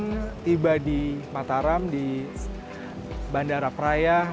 kita tiba di mataram di bandara praia